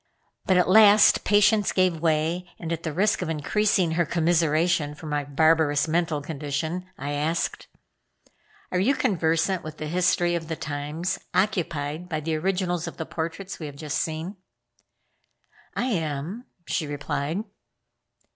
But at last patience gave way and, at the risk of increasing her commiseration for my barbarous mental condition, I asked: "Are you conversant with the history of the times occupied by the originals of the portraits we have just seen?" "I am," she replied.